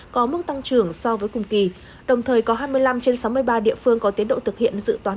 có mức tăng trưởng so với cùng kỳ đồng thời có hai mươi năm trên sáu mươi ba địa phương có tiến độ thực hiện dự toán